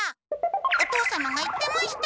お父様が言ってました。